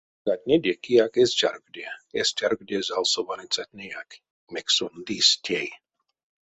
Ялгатнеде кияк эзь чарькоде, эзть чарькоде залсо ваныцятнеяк, мекс сон лиссь тей.